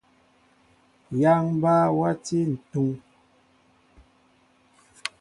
Yááŋ mbaa wati ntúŋ.